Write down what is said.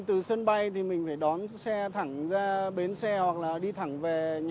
thường thường nó hay tắp cho cây săn hàng xanh